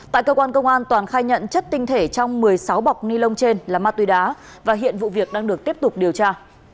tại cơ quan công an toàn khai nhận chất tinh thể trong một mươi sáu bọc ni lông trên là ma túy đá và hiện vụ việc đang được tiếp tục điều tra